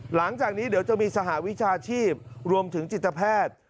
หลังจากนี้เดี๋ยวจะมีสหวิชาชีพรวมถึงจิตแพทย์